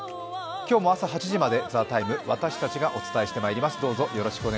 今日も朝８時まで「ＴＨＥＴＩＭＥ，」、私たちがお伝えしてまいります。